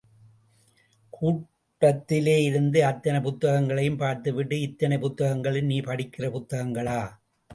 கூடத்திலேயிருந்த அத்தனை புத்தகங்களையும் பார்த்துவிட்டு, இத்தனை புத்தகங்களும் நீ படிக்கிற புத்தகங்களா?